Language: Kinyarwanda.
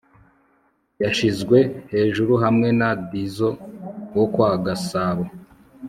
yashizwe hejuru hamwe na dizo wokwagasabo